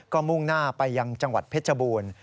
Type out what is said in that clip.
ก็มุ่งหน้าไปยังจังหวัดเพชรบูรณ์